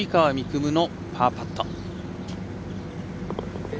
夢のパーパット。